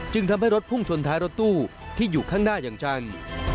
ทำให้รถพุ่งชนท้ายรถตู้ที่อยู่ข้างหน้าอย่างจัง